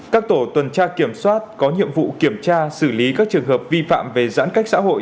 các tổ tuần tra kiểm soát có nhiệm vụ kiểm tra xử lý các trường hợp vi phạm về giãn cách xã hội